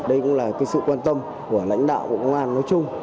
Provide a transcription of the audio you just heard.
đây cũng là sự quan tâm của lãnh đạo bộ công an nói chung